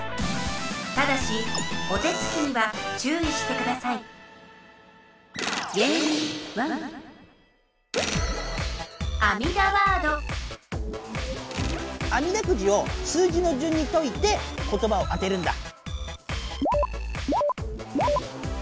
ただしお手つきには注意してくださいあみだくじを数字のじゅんに解いてことばを当てるんだ。